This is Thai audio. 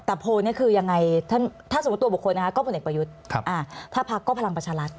แต่โพลนี่คือยังไงถ้าสมมติว่าบุคคลนะครับก็ผลการเลือกประยุทธิ์ถ้าภักดิ์ก็พลังประชารัฐ